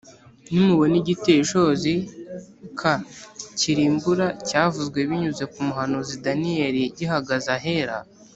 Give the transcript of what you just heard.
nimubona igiteye ishozi k kirimbura cyavuzwe binyuze ku muhanuzi Daniyeli gihagaze ahera